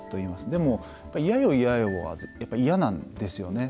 でも嫌よ嫌よは、嫌なんですよね。